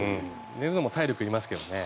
寝るのも体力がいりますけどね。